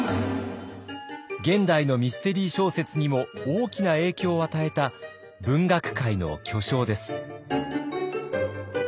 現代のミステリー小説にも大きな影響を与えた文学界の巨匠です。